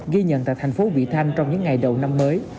ghi nhận tại thành phố vị thanh trong những ngày đầu năm mới